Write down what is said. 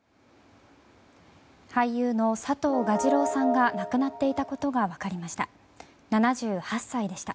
俳優の佐藤蛾次郎さんが亡くなっていたことが分かりました。